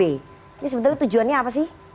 ini sebetulnya tujuannya apa sih